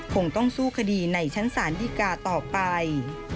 คงต้องสู้คดีในชั้นศาลดีกาต่อไป